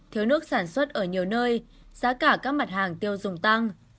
thiếu nước sản xuất ở nhiều nơi giá cả các mặt hàng tiêu dùng tăng